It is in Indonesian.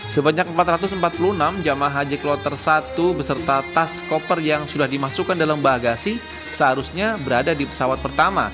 sebanyak empat ratus empat puluh enam jemaah haji kloter satu beserta tas koper yang sudah dimasukkan dalam bagasi seharusnya berada di pesawat pertama